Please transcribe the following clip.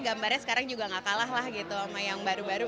gambarnya sekarang juga gak kalah lah gitu sama yang baru baru